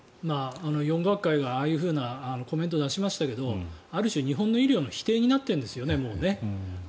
４学会がああいうふうなコメントを出しましたがある種、日本の医療の否定になっているんですよね。